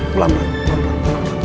pelan pelan pelan